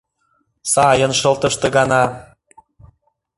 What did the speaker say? Сайын шылтыш ты гана.